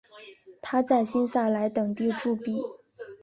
他在新萨莱等地铸币。